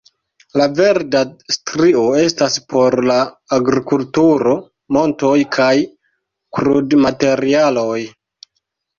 La verda strio estas por la agrikulturo, montoj kaj krudmaterialoj.